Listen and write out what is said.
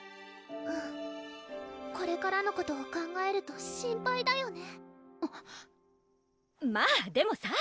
うんこれからのことを考えると心配だよね